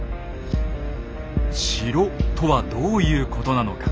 「城」とはどういうことなのか。